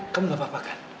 kamu gak apa apa kan